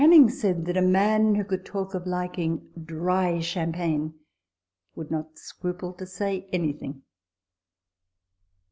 Canning said that a man who could talk of liking dry champagne would not scruple to say anything.